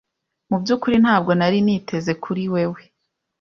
Mu byukuri ntabwo nari niteze kuri wewe.